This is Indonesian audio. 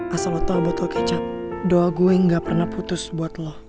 asal lo tau nggak botol kecap doa gue nggak pernah putus buat lo